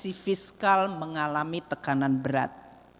kondisi fiskal mengalami tekanan berat